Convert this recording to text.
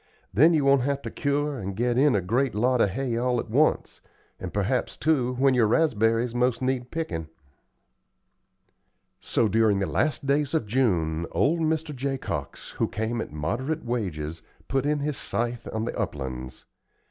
Then you won't have to cure and get in a great lot of hay all at once, and perhaps, too, when your raspberries most need pickin'." So, during the last days of June, old Mr. Jacox, who came at moderate wages, put in his scythe on the uplands.